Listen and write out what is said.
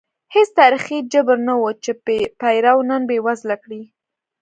هېڅ تاریخي جبر نه و چې پیرو نن بېوزله کړي.